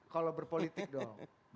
kalau berpolitik dong